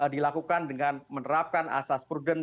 dilakukan dengan menerapkan asas prudent